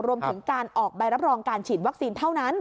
รวมถึงการออกใบรับรองการฉีดวัคซีนเท่านั้น